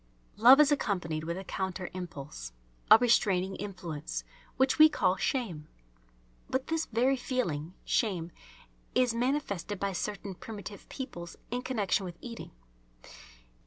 Love is accompanied with a counter impulse, a restraining influence, which we call shame. But this very feeling, shame, is manifested by certain primitive peoples in connection with eating.